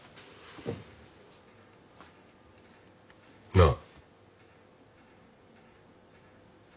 なあ。